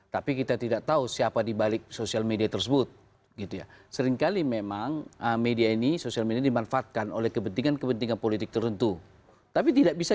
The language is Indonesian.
tapi tetaplah bersama kami di layar pemilu terpercaya